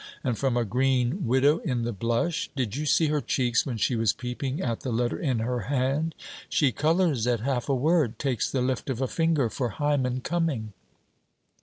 and from a green widow in the blush? Did you see her cheeks when she was peeping at the letter in her hand? She colours at half a word takes the lift of a finger for Hymen coming.